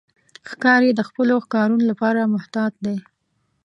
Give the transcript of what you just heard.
ښکاري د خپلو ښکارونو لپاره محتاط دی.